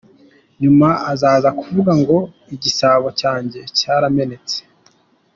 Nyuma aza kuvuga ngo «Igisabo cyanjye cyaramenetse.